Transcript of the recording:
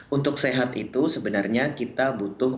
untuk sehat itu sebenarnya kita butuh